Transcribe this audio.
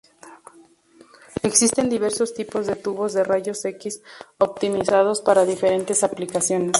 Existen diversos tipos de tubos de rayos X, optimizados para diferentes aplicaciones.